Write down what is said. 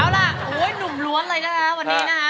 เอาล่ะโฮยหนุ่มบายรอยเลยนะคะวันนี้นะ่